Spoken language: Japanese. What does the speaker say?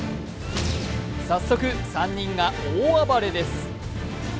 早速３人が大暴れです。